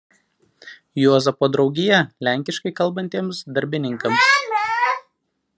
Juozapo draugija lenkiškai kalbantiems darbininkams.